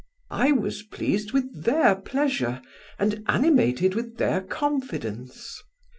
I was pleased with their pleasure, and animated with their confidence.